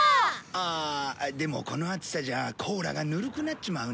ああでもこの暑さじゃコーラがぬるくなっちまうな。